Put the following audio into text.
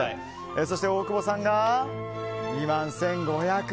そして大久保さんが２万１５００円。